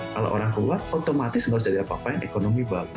kalau orang luar otomatis nggak usah jadi apa apa yang ekonomi bagus